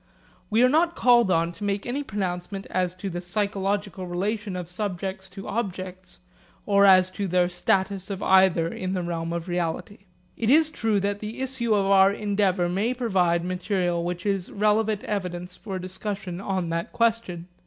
We are not called on to make any pronouncement as to the psychological relation of subjects to objects or as to the status of either in the realm of reality. It is true that the issue of our endeavour may provide material which is relevant evidence for a discussion on that question.